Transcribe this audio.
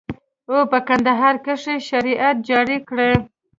او په کندهار کښې يې شريعت جاري کړى.